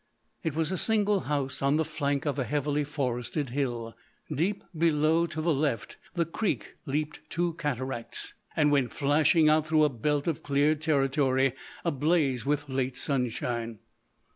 It was a single house on the flank of a heavily forested hill. Deep below to the left the creek leaped two cataracts and went flashing out through a belt of cleared territory ablaze with late sunshine.